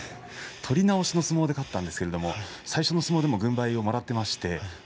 取り直しの相撲で勝ったんですけど最初の相撲でも軍配をもらいました。